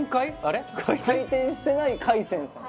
回転してない海鮮さん。